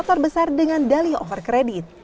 motor besar dengan dali over credit